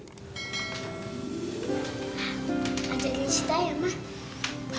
ajak diri sita ya ma